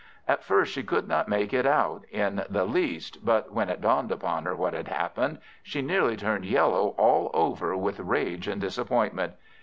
At first she could not make it out in the least; but when it dawned upon her what had happened, she nearly turned yellow all over with rage and disappointment.